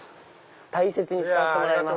大切に使わせてもらいます。